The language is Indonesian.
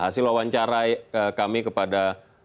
hasil wawancara kami kepada